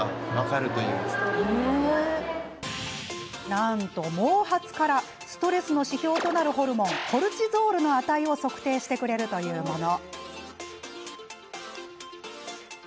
なんと、毛髪からストレスの指標となるホルモンコルチゾールの値を測定してくれるというもの。